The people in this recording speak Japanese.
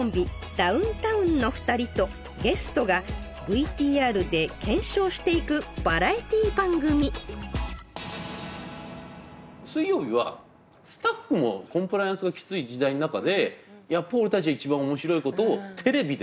ダウンタウンの２人とゲストがＶＴＲで検証していくバラエティー番組「水曜日」はスタッフもコンプライアンスがきつい時代の中でやっぱ俺たちが一番面白いことをテレビでするんだっていうその覚悟。